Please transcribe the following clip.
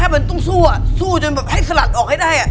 แต่มันก็ต้องสู้จนให้สลัดออกให้ได้